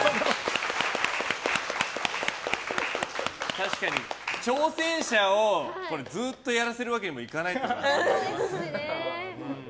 確かに、挑戦者にずっとやらせるわけにもいかないということですね。